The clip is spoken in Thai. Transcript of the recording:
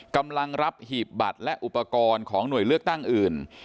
กำลังรับหีบบัตรและอุปกรณ์ของหน่วยเลือกตั้งอื่น